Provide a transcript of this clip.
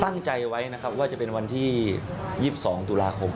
ตั้งใจไว้นะครับว่าจะเป็นวันที่๒๒ตุลาคม